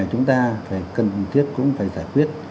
chúng ta cần cần thiết cũng phải giải quyết